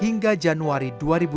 hingga januari dua ribu dua puluh